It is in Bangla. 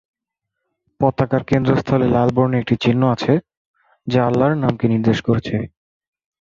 পতাকার কেন্দ্রস্থলে লাল বর্ণের একটি চিহ্ন আছে, যা আল্লাহর নামকে নির্দেশ করছে।